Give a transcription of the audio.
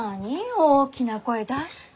大きな声出して。